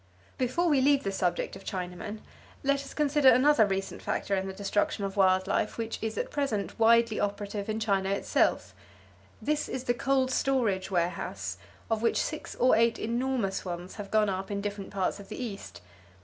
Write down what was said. Before we leave the subject of Chinamen let us consider another recent factor in the destruction of wild life which is at present widely operative in China itself. This is the cold storage warehouse, of which six or eight enormous ones have gone up in different parts of the East.